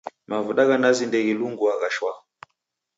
Mavuda gha nazi ndeghilunguagha shwaa.